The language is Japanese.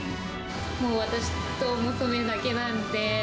もう私と娘だけなんで。